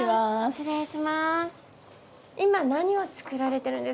失礼します。